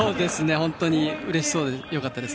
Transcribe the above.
本当にうれしそうでよかったです。